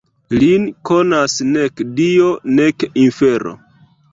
Lin konas nek Dio nek infero.